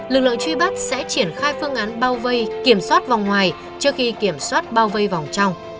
lực lượng truy bắt sẽ triển khai phương án bao vây kiểm soát vòng ngoài trước khi kiểm soát bao vây vòng trong